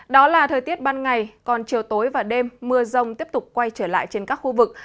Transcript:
đó là thời tiết ban ngày còn chiều tối và đêm mưa rông tiếp tục quay trở lại trên các khu vực